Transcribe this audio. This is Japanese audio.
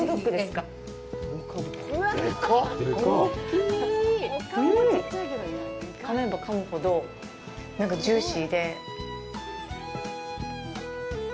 かめばかむほどジューシーで。